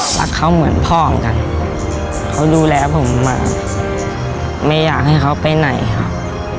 รักเขาเหมือนพ่อเหมือนกันเขาดูแลผมมาไม่อยากให้เขาไปไหนครับ